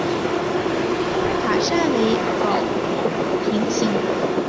塔刹为宝瓶形。